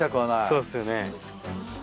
そうっすよね。